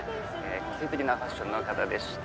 個性的なファッションの方でした。